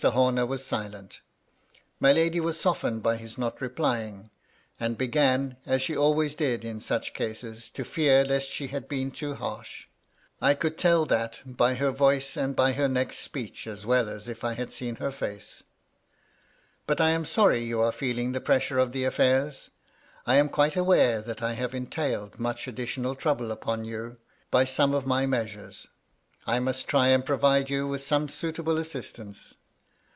Homer was silent. My lady was softened by his not replying, and began, as she always did in such cases, to fear lest she had been too harsh. I could MY LADY LUDLOW. 203 tell that by her voice and by her next speech, as well as if I had seen her face. " But I am sorry you are feeling the pressure of the affairs ; I am quite aware that I have entailed much additional trouble upon you by some uf my measures ; I must try and provide you with some suitable assist ance.